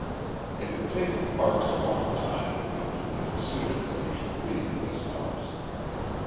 It had taken Parks a long time to come to the decision that he should leave this house.